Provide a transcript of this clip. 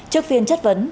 trước phiên chất vấn